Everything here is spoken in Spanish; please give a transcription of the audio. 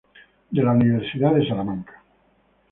De la Universidad de Wisconsin-Madison.